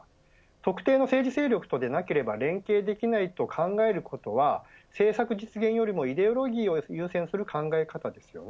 特定の政治勢力とでなければ連携できないと考えることは政策実現よりもイデオロギーを優先する考え方です。